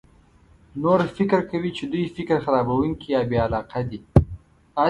نور فکر کوي چې دوی فکر خرابونکي یا بې علاقه دي.